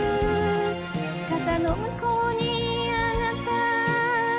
肩のむこうにあなた